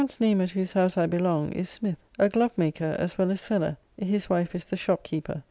The man's name at whose house I belong, is Smith a glove maker, as well as seller. His wife is the shop keeper.